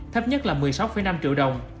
thấp nhất là một mươi sáu năm triệu đồng